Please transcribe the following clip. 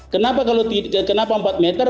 kenapa empat meter